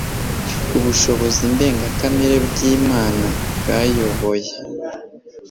Ubushobozi ndengakamere bw’Imana bwayoboye